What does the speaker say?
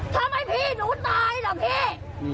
ทำไมพี่หนูตายล่ะพี่